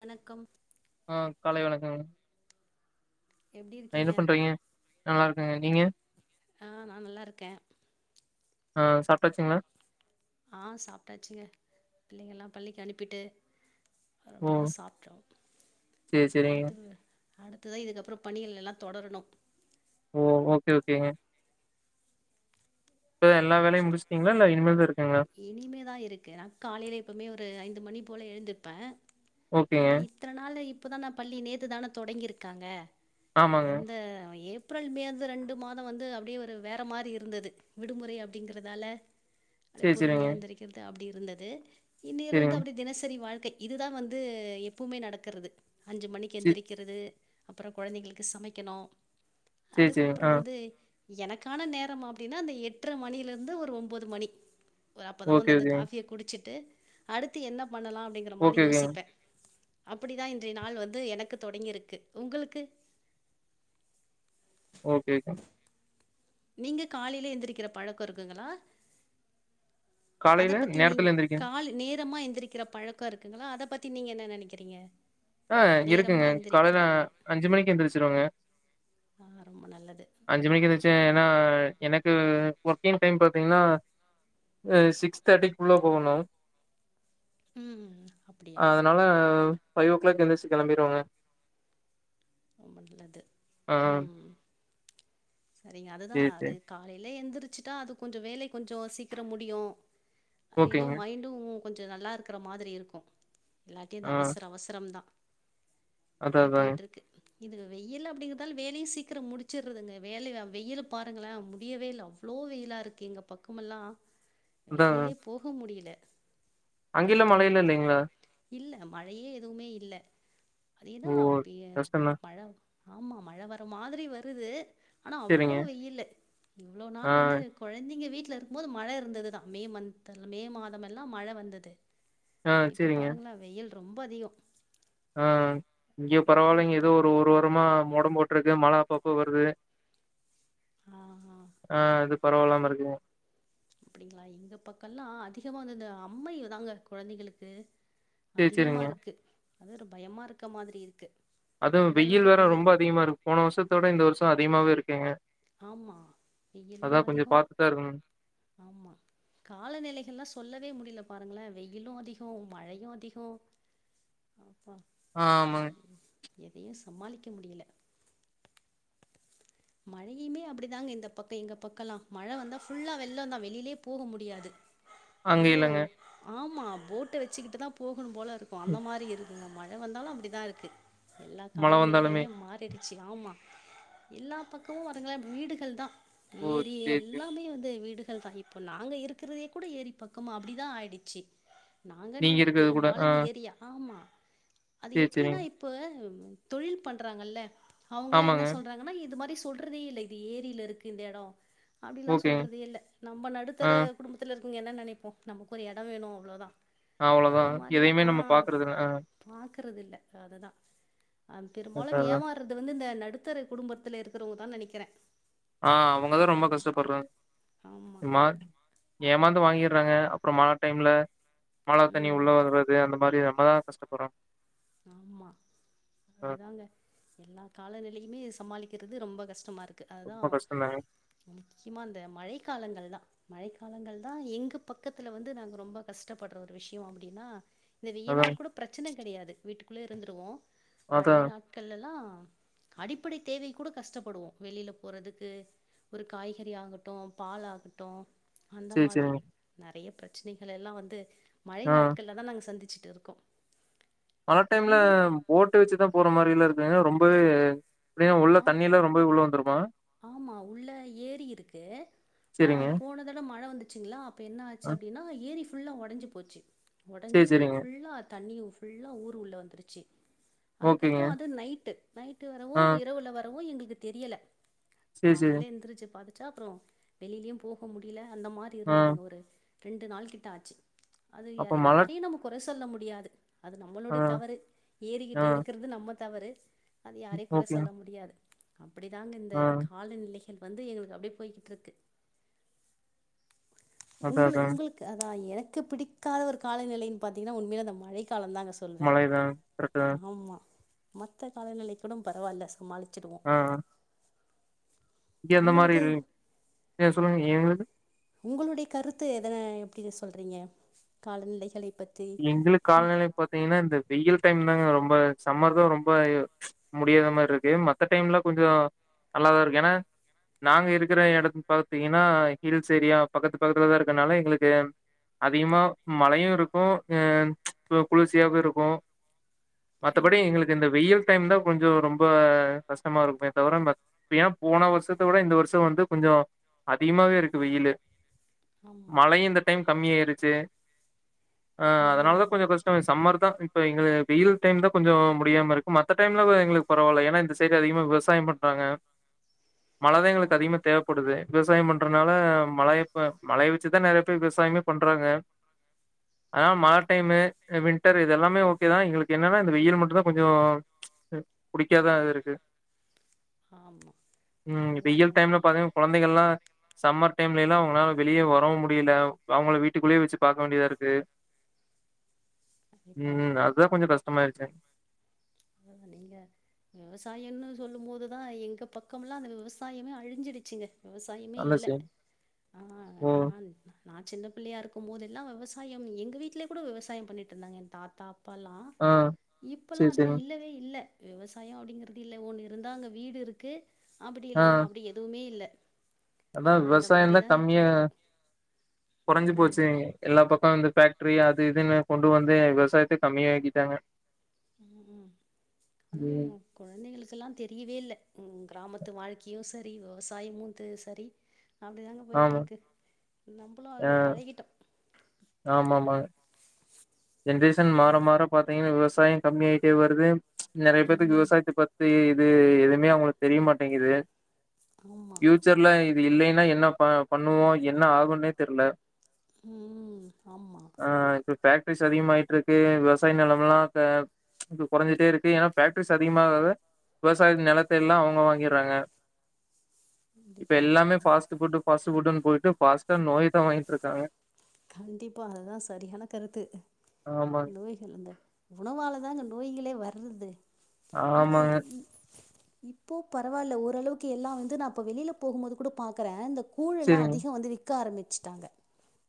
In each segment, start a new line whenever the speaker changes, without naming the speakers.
வணக்கம்
ஆஹ் காலை லை வணக்கங்க
எப்டி
அ என்ன
இருக்கீங்க
பண்றீங்க நல்லா இருக்கங்க நீங்க
ஆஹ் நான் நல்லா இருக்கேன்
ஆஹ் சாப்ட்டாச்சுங்களா
ஆஹ் சாப்ட்டாச்சுங்க பிள்ளைங்கல்லாம் பள்ளிக்கு அனுப்பிட்டு
ஓ
ரொம்பதான் சாப்ட்டம்
சேரி சேரிங்க
அடுத்து அடுத்ததா இதுக்கப்றம் பணிகள் எல்லாம் தொடரணும்
ஓ ஓகே ஓகேங்க எல்லா வேலையும் முடிச்சிட்டீங்களா இல்ல இனிமே
இனிமே தான் இருக்கு நான் காலையில எப்பவுமே ஒரு ஐந்து மணி போல எழுந்துப்பேன்
ஓகேங்க
ஏன்னா இத்தனை நாள் இப்போதான் நான் பள்ளி நேத்து தான தொடங்கியிருக்காங்க
ஆமாங்க
அந்த ஏப் ஏப்ரல் மே அந்த ரெண்டு மாதம் வந்து அப்டியே ஒரு வேற மாரி இருந்தது விடுமுறை அப்டிங்கறதால அ
சேரி
பொறுமியா
சேரிங்க
எந்திரிக்கிறது அப்டி இருந்தது இன்னிலேருந்து
சேரிங்க
அப்டி தினசரி வாழ்க் கை இதுதா வந்து எப்புவுமே நடக்கெறது அஞ்சு மணிக்கு
சே
எந்திரிக்கிறது அப்புறோ கொழைந்தேங்களுக்கு சமைக்கணு
சேரி சேரிங்க
அதுக்கப்புறோ
ஆ
வந்து எனக்கான நேரம் அப்டின்னா அந்த எட்ற மணியில இருந்து ஒரு ஒன்போது மணி ஒரு அப்பதா
ஓகே
வந்து அந்த
ஓகேங்க
காஃபியை குடிச்சிட்டு அடுத்து என்னப் பண்ணலா அப்டிங்கற மாரி
ஓகே ஓகேங்க
யோசிப்பே அப்புடிதா இன்றைய நாள் வந்து எனக்கு தொடங்கிருக்கு உங்களுக்கு
ஓகேங்க
நீங்க காலையில எந்திரிக்கிற பழக்கோ இருக்குங்களா அத
காலையில
பத்தி நீங்க
நேரத்துல எந்திரிக்க
காலு நேத் இதமா எந்திரிக்கிற பழக்கோ இருக்குங்களா அத பத்தி நீங்க என்ன நெனைக்கிறீங்க
ஆஹ் இருக்குங்க காலேல்ல அஞ்சு மணிக்கு எந்திரிச்சிருவங்க
ஆ, ரொம்ப நல்லது
அஞ்சு மணிக்கு எந்திரச்சே ஏனா எனக்கு ஒர்க்கிங் டைம் பாத்தீங்ன்னா அ சிக்ஸ் தேர்ட்டிக்குள்ளப் போகணு
ம் அப்படியா
அதனால ஃபைவ் ஓ கிளாக் எந்துரிச்க் கெளம்பிறுவோங்க
ரொம்ப நல்லது உம் செரிங்க அதுதா
சேரி
அது
சேரி
காலேல எந்துரிச் ச்சிட்டா அது கொஞ்சோ வேலை கொஞ்சோ சீக்கிரம் முடியு அ எதோ
ஓகேங்க.
மைண்டு உ கொஞ்சோ நல்லா இருக்கற மாதிரி இருக்கு எல்லாட்டியு
ஆ
இந்த அவசர அவசரம்தா
அதா
அப்டியே
அதாங்க.
போயிட்டு இருக்கு இதுக வெயில் அப்டிங்கறதால வேலையு சீக்கிரம் முடிச்சிறுதுங்க வேலைய வெயில் பாருங்களே முடியவே இல்ல அவ்ளோ வெயிலா இருக்கு எங்க பக்கமெல்லா வெளிலேயே போக முடியல
அங்கில்லா
பத்து
மழையெல்லா
மணிக்கு
இல்லேங்களா
இல்ல மழையே எதுவுமே இல்ல அதேதா
ஓ!
அப்பியே
கஷ்டம்தான்.
மழ ஆமா மழ வர மாதிரி வ [unintelligible] ஆனா
சரிங்க.
அவ்வளோ வெயிலு இவ்வளவு
ஆ,
நாள் வந்து குழந்தைங்க வீட்டு [unintelligible] இருக்கும்போது மழை இருந்ததுதா மே மந்த்ல மே மாதம் எல்லா மழை வந்தது
ஆ
இப்ப பாருங்களா வெயில் ரொம்ப அதிக
ஆஹ் இங்க பரவாயில்லைங்க ஏதோ
போய்கிட்ருக்கு
ஒரு ஒரு வர் அப்புறமா மோடம் போட்டிருக்கு மழை அப்பப்ப வருது
ஆ ஆ
ஆஹ் அது பரவாயில்லாம இருக்குங்க
அப்படிங்களா எங்க பக்கல்லா அதிகமா வந்து அம்மைதாங்க குழந்தைகளுக்கு
சரி
அதிகமா
சரிங்க.
இருக்கு அது ஒரு பயமா இருக்க மாதிரி இருக்கு
அதுவும்
அந்த
வெயில்
அளவுக்கு
வேற ரொம்ப அதிகமா இருக்கு போன வருஷத்தோட இந்த வருஷ அதிகமாவே இருக்குங்க
ஆமா வெயிலும்
அதான் கொஞ்சம்
அதிகம்
பாத்து தான் இருக்கணுங்க.
ஆமா காலநிலைகள்ளா சொல்லவே முடில பாருங்களேன் வெயிலு அதிகோ மழையு அதிகோ
ஆஹ் ஆமாங்க
எதையு சமாளிக்க முடியல மழையுமே அப்படிதாங்க இந்த பக்க எங்க பக்கல்லா மழை வந்தா ஃபுல்லா வெள்ள தா வெளிலயே போக முடியாது
அங்க
எதுவோ
இல்லங்க.
ஆம் ஆமா போட் வச்சுக்கிட்டுதா போக் போகணு போல இருக்கு அந்த
ம்.
மாரி இருக் இங்க மழ வந்தாலு அப்படிதா இருக்கு எல்லா
மழை வந்தாலுமே.
காலநிலைகளையு மாறிருக் [unintelligible] ஆமா எல்லா பக்கமு வருங்களே வீடுகள் தா
ஓ!
ஏரி
சரி சரி.
எல்லாமே வந்து வீடு [unintelligible] தான் இப்போ நாங்க இருக்கிறதே கூட ஏறி பக்கமா அப்டிதா ஆயிடுச்சு நாங்கனு
நீங்க
இல்ல
இருக்கிறது கூட. ஆ
பெரும்பாலு இந்த ஏரி ஆமா அது
சரி
எப்டின்னா
சரிங்க.
இப்ப தொழில் பண்றாங்கல்ல அவங்கால என்ன
ஆமாங்க.
சொல்றாங்கன்னா இது மாரி ஸ் சொல்றதேல்ல இது ஏரியில இருக்கு இந்த எடோ அப்டிலா
ஓகேங்க.
சொல்றதே இல்ல நம்ம
ஆ
நடுத்தர குடும்பத்துலர் இங்க என்ன நெனைப்போ நமக்கு ஒரு எடோ வேணு அவ்ளோதா
அவ்ளோதா எதையுமே நம்ம பாக்குறதுல ஆ
ருக்கிறதில்ல அதுதா ஆ பெரும்பாலு
அதா அதா
ஏமாறுறது வந்து இந்த நட் டுத்தர குடும்பத்தில இர் கிறவங்க தா நெனைக்கிறே
ஆ அவங்கதா ரொம்ப கஷ்டப்படுறாங்
ஆமா
எமா ஏமாந்து வாங்கிர் றாங்க அப்றோ மழ டைம்ல மழ தண்ணி
ம்
உள்ள வர்றது அந்த மாரி அப் நம்மதா கஷ்டப்பட்றோ
ஆமா
ஆ
அதுதாங்க எல்லா காலநிலையுமே சமாளிக் கிறது ரொம்ப கஷ்டமாருக் கு அதுதா
ரொம்ப கஷ்டந்தாங்க
முக்கியமா இந்த மழை காலங்கள் தா மழை காலங்கள் தா எங்க பக்கத்துல வந்து நாங்க ரொம்ப கஷ்டப்படுற ஒரு விஷயோ அப்டினா இந்த வெய்ய
அதா
நாள் கூட ப்ரச்சன கெடையாது வீட்டுக்குள்ளே இருந்துருவோ
அதா
மழை நாட்கள்லல்லா அடிப்படை தேவை கூட கஷ்டப்படுவோ வெளியில போறதுக்கு ஒரு காய்கறி ஆகட்டூ பால் ஆகட்டூ அந்த
சேரி
மாதிரி
சேரிங்க
நற் றைய ப்ரச்சனைகள் எல்லா வந்து மழை
ஆ
நாட்கள்ல தா நாங்க சந்திச் டுருக்கோ
மழ டைம்ல போட்டு வச்சுதா போற மாரி இல்லர் ன ரொம்பவே எப்டினா உள்ள
ஆம்
தண்ணிலா ரொம்பவே உள்ள வந்துருமா
ஆமா உள்ள ஏரி இருக்கு ஆ
சேரிங்க
போன தட மழ வந்துச்சுங்ளா அப்ப என்ன ஆச்சு
ஆ
அப்டினா ஏரி ஃப் ஃபுல்லா ஒடஞ்சு போச்சு
சேரி
ஒடஞ்சி
சேரிங்க
ஃபுல்லா தண்ணி ஃபுல்லா ஊர் உள்ள வந்துருச்சி
ஓகேங்க
அதுக்கப்றோ அது நைட்டு நைட்டு வரவூ
ஆ
எர் ல வரவோ எங்களுக்கு தெரியல
சேரி சேரி
காலையில எந்திருச்சு பாத்தத் சாப்றோ வெளியிலயு போக முடியல அந்த மாரி
ஆ
இருந்துதுங்க ஒரு ரெண்டு நாள் கிட்ட ஆச்சு அது
அப்ப மழ
யாரையும் நம்ம கொற சொல்ல முடியாது அது
ஆ
நம்மளுடைய தவறு ஏறிகிட்ட இருக்கறது நம்ம தவறு அது யாரையும் குறை
ஓகே
[inaudible] அப்படிதாங்க இந்த காலநிலை வந்து எங்களுக்கு அப்படியே போயிட்டு இருக்கு
அதா
உங்க
அதா
உங்களுக்கு அத எனக் பிடிக்காத ஒரு காலநிலைய பாத்தீங்கன்னா உண்மையையில அந்த மழை காலம் தாங்க சொல்வ
மழைதா கரெக்ட்டுதா
ஆமா மத்த காலநிலை கூட பரவாயில்ல சமாளி
ஆஹ் இங்க அந்த மாதிரி
உங்களுக்கு
இல் ஏன் சொல்லுங்க எங்களுக்கு
உங்களுடைய கருத்து எதன எப்படி சொல்றீங்க காலநிலைகளை பத்தி?
எங்களுக்கு
ம்.
காலநிலை பாத்தீங்கன்னா இந்த வெயில் டைம் ரொம்ப சம்மர் தா ரொம்ப முடியாத மாதிரி இருக்கு மத்த டைம்ல கொஞ்சம் நல்லாதா இருக்கு ஏன்னா நாங்க இருக்கிற இடத்து பார்த்தீங்கன்னா ஹில்ஸ் ஏரியா பக்கத்து பக்கத்துல தா இருக்கனால எங்களுக்கு அதிகமா மழையும் இரு இருக்கு ஹ குளிர்சியாக இருக்கும் மத்தபடி
ம். ம்.
எங்களுக்கு இந்த வெயில் டைம் தா கொஞ்சம் ரொம்ப கஷ்டமா இருக்குமே தவிர ஏன்னா போன வருஷத்த விட இந்த வருஷம் வந்து கொஞ்சம் அதிகமாவே இருக்கு வெயிலு
ஆமா.
மழையும் இந்த டைம் கம்மிய ஆயிருச்சு ஆஹ் அதனால தா
ம்.
கொஞ்சம் கஷ்டமே சமர் தா இப்ப எங்களுக்கு வெயில் டைம் தான் கொஞ்சம் முடியாம இருக்கு மத்த டைம்ல எங்களுக்கு பரவாயில்லை ஏன்னா இந்த சைடு அதிகமா விவசாயம் பண்றாங்க மழதா எங்களுக்கு
ஆஹா.
அதிகமா தேவைப்படுது விவசாயம் பண்றதுனால மழையப்ப மழைய வச்சுதா நிறைய பேர் விவசாயமே பண்றாங்க அதனால மல டைமு வின்டர் இது எல்லாமே ஓகேதா எங்களுக்கு என்னன்னா இந்த வெயில் மட்டும்தா கொஞ்சம் புடிக்காதா இருக்கு
ஆமா
உம்
அதுதா
வெயல் டைம்ல பாத்தீங்கன்னா குழந்தைகள் எல்லா சம்மர் டைம்ல எல்லா அவங்களால வெளியே வரவும் முடியல அவங்க வீட்டுக்குள்ளயே வச்சு பாக்க வேண்டியதா இருக்கு கு
கண்டிப்பா
உம் அதுதா கொஞ்சம் கஷ்டம் மயிருச்சு
அதுதா நீங்க விவசாயம்னு சொல்லும் போதுதா எங்க பக்கம்லாம் அந்த விவசாயமே அழிஞ்சிடுச்சுங்க விவசாயமே
அந்த
இல்லை
சைடு
ஆ
ஓ
நா நா சின்ன பிள்ளையா இருக்கும் போது எல்லாம் விவசாயம் எங்க வீடலய கூட விவசாயம் பண்ணிட்டு இருந்தாங்க என் தாத்தா அப்பல்லாம்
ஆ சரி
இப்பல்லாம் அதுவே
சரிங்க
இல்லவே இல்ல பயம் அப்படிங்கறது இல்ல ஒன்னு இருந்தா அங்க வீடு இருக்கு அப்படி இல்லனா அப்படி எதுவுமே இல்ல ஆ
அதான்
அந்த
விவசாயம் தான்
மாரிதா இப்ப
கம்மியா
இருக்கு
குறைஞ்சு
ம்
போச்சே எல்லா பக்கம் வந்து ஃபேக்ட்ரி அது இதுன்னு கொண்டு வந்து விவசாயத்த கம்மி ஆக்கிட்டாங்க
உம் உம் அதுவும்
ம்
உங்க கொழந்தைகளுக்கெல்லாம் தெரியவே இல்ல உம் கிராமத்து வாழ்க்கையும் சரி விவசாயமும்த் சரி அப்டி தாங்க போயிட்டு
ஆமா
இருக்கு நம்பளும்
ஆ
அத பழகிட்டோம்
ஆமா ஆமாங்க ஜென்ரேசன் மாற மாற பாத்தீங்கன்னா விவசாயம் கம்மியாயிட்டே வருது நெறைய பேத்துக்கு
ம்
விவசாயத்தபத்தி இது எதுவுமே அவங்களுக்கு தெரியமாட்டேங்கிது
ஆமா
ஃப்யூச்சர்ல இது இல்லைன்னா என்ன ப பண்ணுவோம் என்ன ஆகும்ன்னே தெர்ல
உம் உம் ஆமா
பேக் ட்ரிஸ் அதிகமாய்ட்ருக்கு இருக்கு விவசாய நெலமெலாம் அங்க ப்ச் கொறஞ்சிட்டே இருக்கு ஏன்னா பேஃபக்ட்ரிஸ் அதிகமாகாக விவசாய நெலத்தை எல்லாம் அவங்க வாங்கிறாங்க இப்ப
கண்டிப்பா
எல்லாமே பாஸ்ட்ஃபுட்டு ஃபாஸ்ட்டு ஃபுட்டுனு போயிட்டு ஃபாஸ்டா நோய தான் வாங்கிட்டுருக்காங்க
கண்டிப்பா அதான் சரியான கருத்து
ஆமாங்க
நோய்களுங்க உணவாளதாங்க நோய்களே வர்றது ஆன இ
ஆமாங்க
இ இப்போ பரவால்ல ஓரளவுக்கு எல்லா வந்து நான் இப்ப வெளியில போகும்போது கூட பாக்குறேன் இந்த கூழெல்லாம்
சரிங்க
அதிகம் வந்து விக் க்க ஆரம்பிச்சுட்டாங்க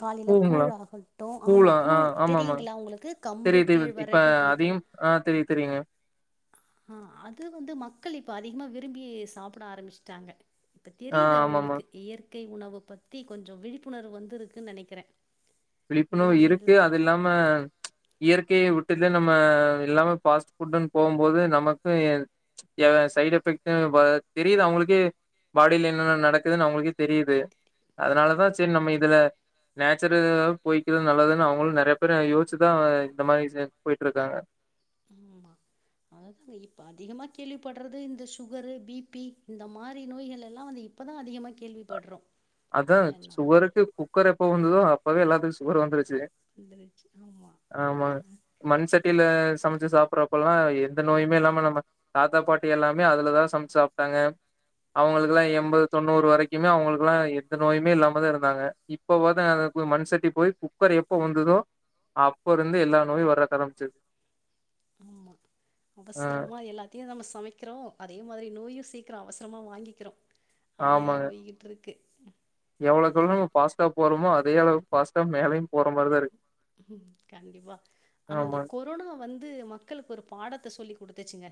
காலைல
பூங்களா
கூழாகட்டும் ஆமா
பூலா ஆ
கூழ்
ஆமாமா
தெரியிங்களா உங்களுக்கு கம்பு
தெரியுது தெரியு இப்ப
கேழ்வரக போட்டு
அதையும் ஆ தெரியு தெரியுங்க
ஆஹ் அது வந்து மக்கள் இப்ப அதிகமா விரும்பி சாப்பிட ஆரம்பிச்சிட்டாங்க இப்ப
ஆ
தெரியுது
ஆமாமா
அவுங்களுக்கு இயற்க் க்கை உணவு பத்தி கொஞ்சம் விழிப்புணர்வு வந்துருக்கு நெனைக்கிறேன்
விழிப்புணவு இருக்கு அதில்லாம ப்ச் இயற்கைய வுட் [unintelligible] எல்லாமே பாஸ்ட் ஃபுட்டுனு போம்போது நமக்கும் ப்ச் சைடு் எஃபெக்ட் தெரியுது அவங்களுக்கே பாடில என்னென்ன நடக்குதுன்னு அவங்களுக்கே தெரியுது அதனாலதான்
கண்டிப்பா
சரி நம்ம இதுல நேச்சுரல் [inaudible] நல்லதுன்னு அவங்களும் நிறைய பேர யோசிச்சுதான் இந்த மாதிரி [inaudible] போயிட்ருக்காங்க
ஆ அததா இப்ப அதிகமா கேள்விப்படுறது இந்த சுகரு பிபி இந்த மாதிரி நோய்கள் எல்லாம் வந்து இப்பதான் அதிகமா கேள்விப்படுறோம்
அதான் சுகருக்கு குக்கர் எப்போ வந்துதோ அப்போவே எல்லாத்துக்கும் சுகர் வந்துருச்சு
வந்துருச்சு ஆமா ஹ
வட்டில சமைச்சு சாப்படுறப்ப எல்லாம் எந்த நோயுமே இல்லாம நம்ம தாத்தா பாட்டி எல்லாமே அதுலதான் சமைச்சு சாப்பிட்டாங்க அவங்களுக்கு எல்லாம் எண்பது தொண்ணூறு வரைக்குமே அவங்களுக்குல்லாம் எந்த நோயுமே இல்லாமதான் இருந்தாங்க இப்பவாது அ மண் சட்டி போய் குக்கர் எப்ப வந்ததோ அப்ப இருந்து எல்லா நோயும் வர்ற ஆரம்பிச்சது
ஆமா
ஆ
அவசரமா எல்லாத்தையும் நம்ம சமைக்கிறோம் அதே மாதிரி நோயும் சீக்கிரம் அவசரமா வாங்கிக்கிறோம் அப்படிதான் போய்கிட்டு இருக்கு
எவ்வளவுக்
அதா
எவ்ளோ நம்ம ஃபாஸ்டா போறோமோ அது அதே அளவு ஃபாஸ்டா மேலையும் போற மாிரிதான் இருக்கு
உம் கண்டிப்பா ஆனா அந்த
ஆமா
கொரோனா வந்து மக்களுக்கு ஒரு பாடத்தை சொல்லி கொடுத்துச்சுங்க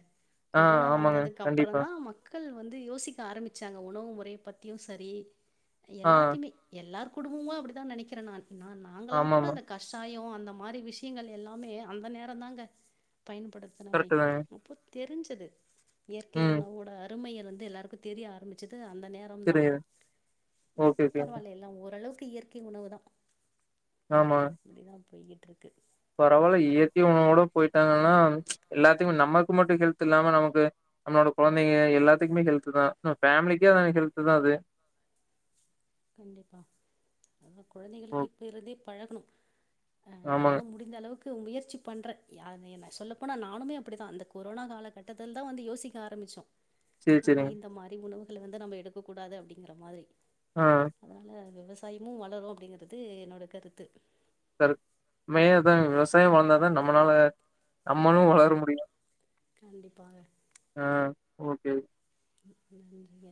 ஆ
கொரோனா
ஆமாங்க
வந்ததுக்கு அப்புறம்
கண்டிப்பா
தான் மக்கள் வந்து யோசிக்க ஆரம்பிச்சாங்க உணவு முறைைய பத்தியும் சரி
ஆ
எல்லாத்தையுமே எல்லாரு குடும்பமா அப்டிதான் நனைக்கிறே நானு நா நாங்கல்லாம் கூட
ஆமாமா
அந்த விஷாயம் அந்த மாதிரி விஷ்யங்கள் எல்லாமே அந்த நேர தாங்க பயன்படுத்தணமே
கரெக்ட்டு தாங்க
முப்பத் தெரிஞ்சது இயற்கை
ம்
உணவுட ருமையர் வந்து எல்லாருக்கும் தெரிய ஆரம்பிச்சது அந்த நேரம் தான்
செரிங்க ஓகே
இப்போ
ஓகேங்க.
பரவால்ல எல்லாம் ஓரளவுக்கு இயற்கை உணவு தான் அப்படிதான் போய்கிட் இருக்கு
பரவாயில்ல இயற்கை உணவோட போயிட்டாங்கன்னா எல்லாத்துக்குமே நமக்கு மட்டு ஹெல்த் இல்லாம நமக்கு நம்மளோட குழந்தைங்க எல்லாத்துக்குமே ஹெல்து தான் ஃபேமிலிக்கே அதான் ஹெல்து தான் அது
கண்டிப்பா அத
ஓ
குழந்தைகளுக்கு இப்ப இருந்தே பழகணும் அஹ
ஆமாங்க.
நானும் முடிந்த அளவுக்கு முயற்சி பண்றேன் என் சொல்லப்போனா நானுமே அப்படிதான் அந்த கொரோனா காலகட்டத்தில் தான் வந்து யோசிக்க ஆரம்பிச்சோம்
சரி,
அஹ்
சரிங்க.
இந்த மாதிரி உணவு வந்து நம் எடுக்க கூடாது அப்டிங்கிற மாதிரி
ஆ
அதனால விவ சாயமு வளரு அப்டிங்கறது என்னோட கருத்து
[unintelligible] மேயதான் விவசாயொ வளந்தாதா நம்மனால நம்மளு வளர முடியு
கண்டிப்பாக
ஓகே
நன்றிங்க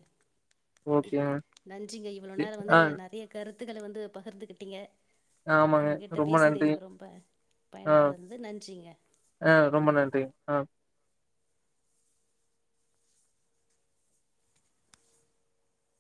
ஓகேங்க.
நன்றிங்க இவ்ளோ நேர வந்து
ஆ
நெறைய கருத் ருத்துக்கள வந்து பகிர்ந்துகிட்டிங்க
ஆமாங்க ரொம்ப நன்றி ஆ
பயனுள்ளதா இருந்தது நன்றிங்க
ஆ ரொம்ப நன்றி ஆ